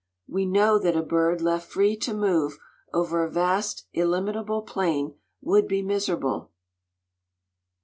We know that a bird "left free to move" over a vast, illimitable plain would be miserable.